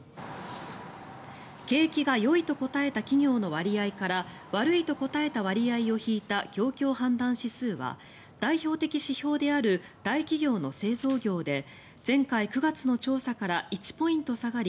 景気がよいと答えた企業の割合から悪いと答えた割合を引いた業況判断指数は代表的指標である大企業の製造業で前回９月の調査から１ポイント下がり